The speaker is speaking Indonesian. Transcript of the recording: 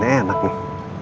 wah keliatannya enak nih